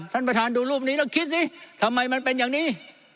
ท่านประธานดูรูปนี้แล้วคิดสิทำไมมันเป็นอย่างนี้